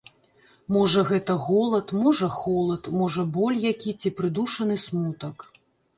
Можа гэта голад, можа холад, можа боль які ці прыдушаны смутак.